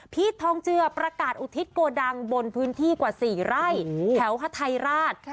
ทองเจือประกาศอุทิศโกดังบนพื้นที่กว่า๔ไร่แถวฮาไทยราช